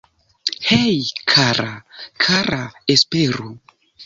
Hej, kara, kara.. Esperu